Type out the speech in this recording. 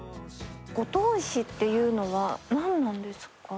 五島石っていうのは何なんですか？